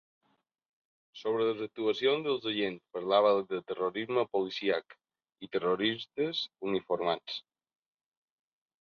Sobre les actuacions dels agents parlava de ‘terrorisme policíac’ i ‘terroristes uniformats’.